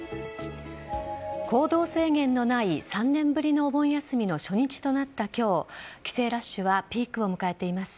行動制限のない３年ぶりのお盆休みの初日となった今日帰省ラッシュがピークを迎えています。